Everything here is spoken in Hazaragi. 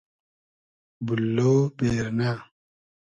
بوللۉ بېرنۂ